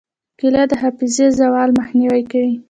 کېله د حافظې زوال مخنیوی کوي.